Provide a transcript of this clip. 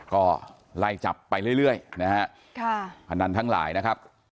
ก็ไล่จับไปเรื่อยนะฮะค่ะพนันทั้งหลายนะครับ